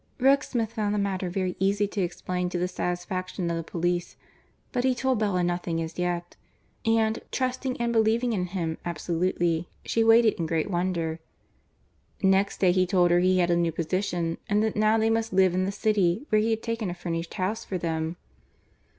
Rokesmith found the matter very easy to explain to the satisfaction of the police, but he told Bella nothing as yet, and, trusting and believing in him absolutely, she waited in great wonder. Next day he told her he had a new position and that now they must live in the city where he had taken a furnished house for them.